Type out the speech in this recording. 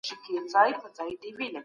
عادلانه چلند د حکومتونو دنده ده.